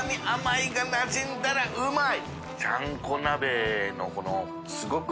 鼎いなじんだらうまい！